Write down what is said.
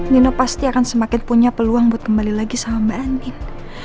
nino pasti akan semakin punya peluang buat kembali lagi sama mbak andip